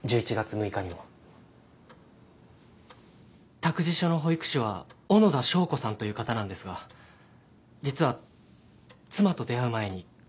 託児所の保育士は小野田祥子さんという方なんですが実は妻と出会う前に交際していたんです。